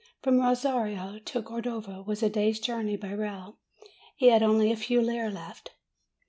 From Rosario, to Cordova was a day's journey, by rail. He had only a few lire left.